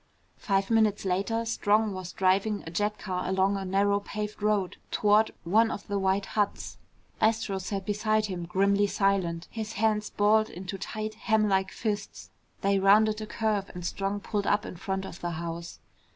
Five minutes later, Strong was driving a jet car along a narrow paved road toward one of the white huts. Astro sat beside him grimly silent, his hands balled into tight hamlike fists. They rounded a curve and Strong pulled up in front of the house.